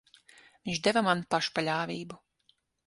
Viņš deva man pašpaļāvību.